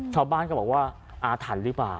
ชาวบ้านก็บอกว่าอาถรรพ์หรือเปล่า